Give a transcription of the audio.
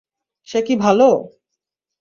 সে কি ভালো?